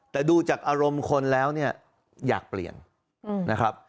แต่ดูจากอารมณ์คนแล้วเนี่ยอยากเปลี่ยนนะครับ